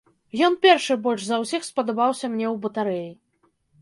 Ён першы больш за ўсіх спадабаўся мне ў батарэі.